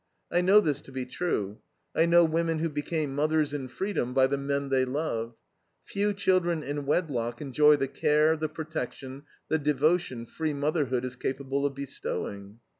I know this to be true. I know women who became mothers in freedom by the men they loved. Few children in wedlock enjoy the care, the protection, the devotion free motherhood is capable of bestowing.